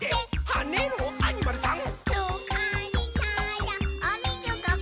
はねろアニマルさん！」